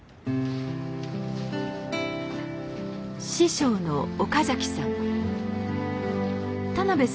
師匠の岡崎さん。